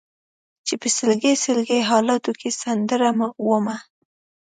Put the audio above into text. چې په سلګۍ سلګۍ حالاتو کې سندره ومه